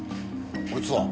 こいつは？